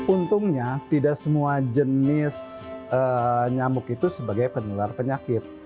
untungnya tidak semua jenis nyamuk itu sebagai penular penyakit